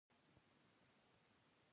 سپي د شپې ورځي ساتي.